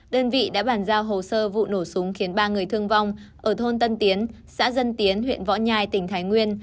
đơn vị đã bàn giao hồ sơ vụ nổ súng khiến ba người thương vong ở thôn tân tiến xã dân tiến huyện võ nhai tỉnh thái nguyên